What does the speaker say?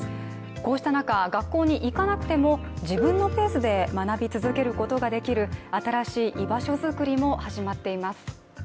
こうした中、学校に行かなくても自分のペースで学び続けることができる新しい居場所づくりも始まっています。